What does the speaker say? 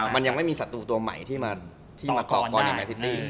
มันยังไม่มีศัตรูตัวใหม่ที่มาก่อก้อนในแมนซิตี้